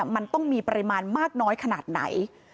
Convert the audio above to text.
มันต้องมีปริมาณมากน้อยขนาดไหน